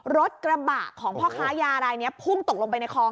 รถกระบะของพ่อค้ายารายนี้พุ่งตกลงไปในคลอง